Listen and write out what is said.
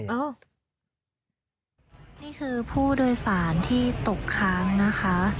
นี่คือผู้โดยสารที่ตกค้างนะคะ